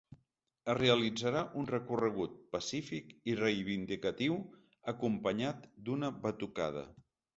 Es realitzarà un recorregut pacífic i reivindicatiu acompanyat d’una batucada.